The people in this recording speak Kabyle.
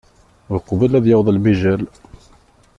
Uqbel ad yaweḍ lemijal.